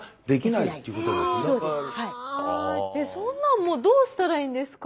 そんなんもうどうしたらいいんですか。